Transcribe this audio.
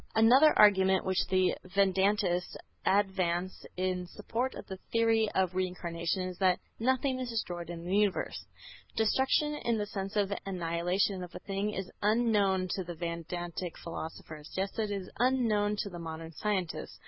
Another argument which the Vedantists advance in support of the theory of Reincarnation is that "Nothing is destroyed in the universe." Destruction in the sense of the annihilation of a thing is unknown to the Vedantic philosophers, just as it is unknown to the modern scientists.